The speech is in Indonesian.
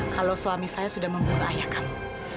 kalau suami saya sudah membunuh ayah kamu